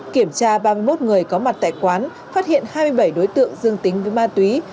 kiểm tra ba mươi một người có mặt tại quán phát hiện hai mươi bảy đối tượng dương tính với ma túy